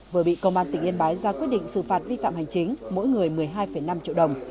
vừa bị công an tỉnh yên bái ra quyết định xử phạt vi phạm hành chính mỗi người một mươi hai năm triệu đồng